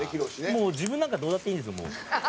「もう自分なんかどうだっていいんですよ」